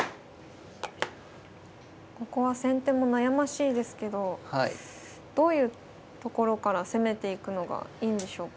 ここは先手も悩ましいですけどどういうところから攻めていくのがいいんでしょうか。